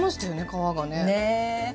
皮がね。